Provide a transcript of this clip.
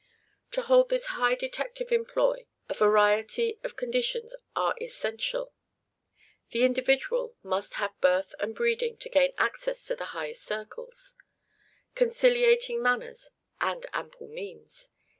To hold this high detective employ, a variety of conditions are essential. The individual must have birth and breeding to gain access to the highest circles; conciliating manners and ample means.